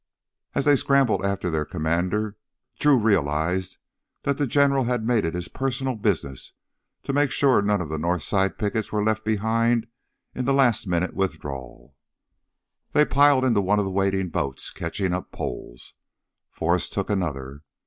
As they scrambled after their commander Drew realized that the General had made it his personal business to make sure none of the north side pickets were left behind in the last minute withdrawal. They piled into one of the waiting boats, catching up poles. Forrest took another.